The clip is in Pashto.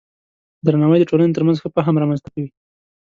درناوی د ټولنې ترمنځ ښه فهم رامنځته کوي.